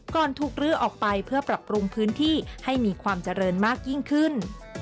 ถูกลื้อออกไปเพื่อปรับปรุงพื้นที่ให้มีความเจริญมากยิ่งขึ้น